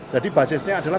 jadi basisnya adalah